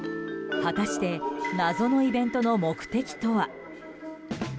果たして謎のイベントの目的とは。